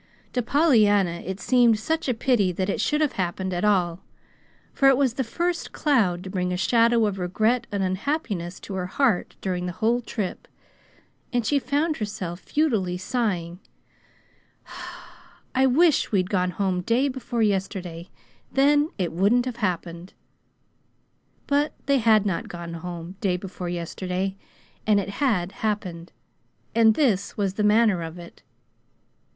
To Pollyanna it seemed such a pity that it should have happened at all, for it was the first cloud to bring a shadow of regret and unhappiness to her heart during the whole trip, and she found herself futilely sighing: "I wish we'd gone home day before yesterday; then it wouldn't have happened." But they had not gone home "day before yesterday," and it had happened; and this was the manner of it.